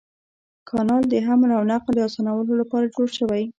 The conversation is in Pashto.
کانال د حمل او نقل د اسانولو لپاره جوړ شوی.